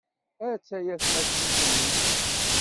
Attaya tmacint-nni.